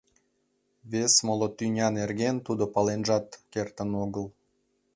Вес моло тӱня нерген тудо паленжат кертын огыл.